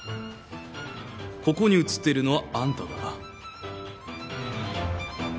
ここに写っているのはあんただ。